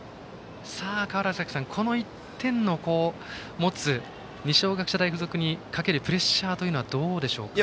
川原崎さん、この１点の持つ二松学舎大付属にかけるプレッシャーというのはどうでしょうか。